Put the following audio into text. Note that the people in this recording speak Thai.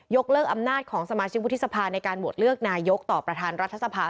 เลิกอำนาจของสมาชิกวุฒิสภาในการโหวตเลือกนายกต่อประธานรัฐสภา